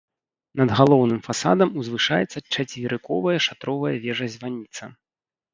Над галоўным фасадам узвышаецца чацверыковая шатровая вежа-званіца.